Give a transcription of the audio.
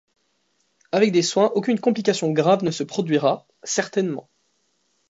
Avec des soins, aucune complication grave ne se produira, certainement.